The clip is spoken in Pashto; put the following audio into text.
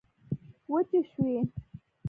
وچي شوې